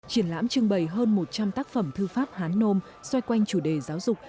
triển lãm trưng bày hơn một trăm linh tác phẩm thư pháp hán nôm xoay quanh chủ đề giáo dục